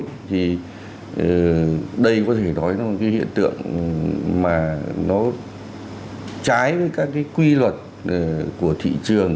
thì đây có thể nói là một cái hiện tượng mà nó trái với các cái quy luật của thị trường